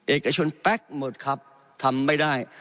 เอกชนแป๊กหมดครับทำไม่ได้